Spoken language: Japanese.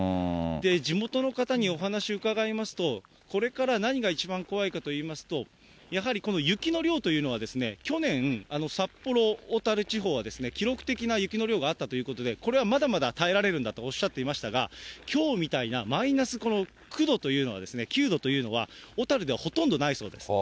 地元の方にお話伺いますと、これから何が一番怖いかといいますと、やはりこの雪の量というのは、去年、札幌、小樽地方は記録的な雪の量があったということで、これはまだまだ耐えられるんだとおっしゃっていましたが、きょうみたいなマイナス９度というのは、小樽ではほとんどないそうです。